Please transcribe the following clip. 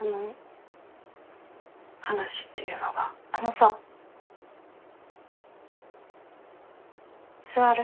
あのさ座る？